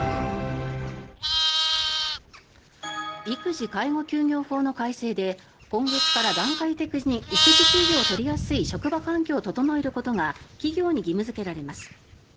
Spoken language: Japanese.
育児・介護休業法の改正で今月から段階的に育児休業を取りやすい職場環境を整えることが企業に義務付けられます。